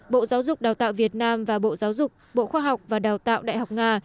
bộ giáo dục đào tạo việt nam và bộ giáo dục bộ khoa học và đào tạo đại học nga